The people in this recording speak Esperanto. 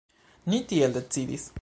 Ni tiel decidis.